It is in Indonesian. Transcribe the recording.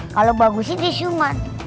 kalau bagusnya disuman